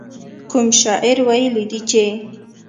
کوم شاعر ويلي دي چې.